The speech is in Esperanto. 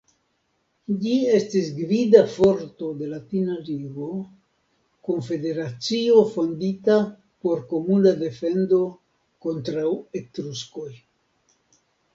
Ĝi estis gvida forto de Latina ligo, konfederacio fondita por komuna defendo kontraŭ Etruskoj.